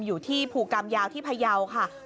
อยู่ที่ภูกรรมยาวที่พยาวค่ะ